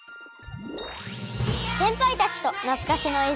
せんぱいたちとなつかしのえい